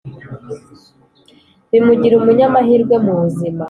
bimugira umu nyamahirwe mu buzima